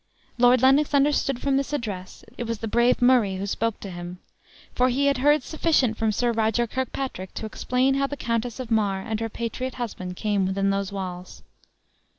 Lord Lennox understood from this address it was the brave Murray who spoke to him; for he had heard sufficient from Sir Roger Kirkpatrick to explain how the Countess of Mar and her patriot husband came within those walls.